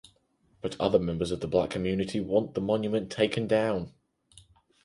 But other members of the Black community want the monument taken down.